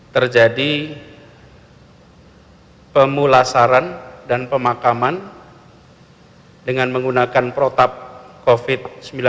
terjadi pemulasaran dan pemakaman dengan menggunakan protap covid sembilan belas